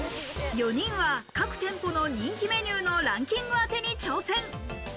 ４人は各店舗の人気メニューのランキング当てに挑戦。